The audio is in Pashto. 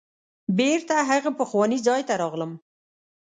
بیرته هغه پخواني ځای ته راغلم.